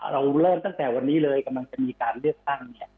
เราเริ่มตั้งแต่วันนี้เลยกำลังจะมีการเลือกตั้งเนี่ย